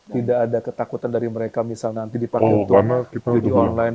tidak ada ketakutan dari mereka misalnya nanti dipakai untuk judi online